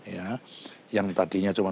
ya yang tadinya cuma